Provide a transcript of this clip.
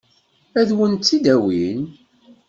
Ad wen-tt-id-awin?